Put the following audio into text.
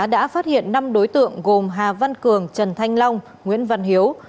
đã phát hiện năm đối tượng gồm hà văn cường trần thanh long nguyễn văn hiếu